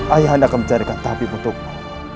ayah anda akan menjadikan tabib untukmu